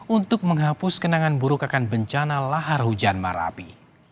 untuk menghapus kenangan buruk akan bencana lahar hujan marapi